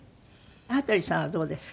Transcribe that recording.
羽鳥さんはどうですか？